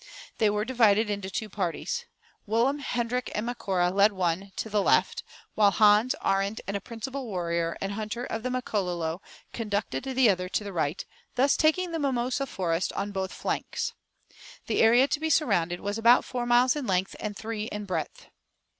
They were divided into two parties. Willem, Hendrik, and Macora led one to the left, while Hans, Arend, and a principal warrior and hunter of the Makololo conducted the other to the right, thus taking the mimosa forest on both flanks. The area to be surrounded was about four miles in length and three in breadth.